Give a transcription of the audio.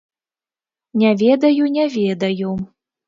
Не ведаю, не ведаю.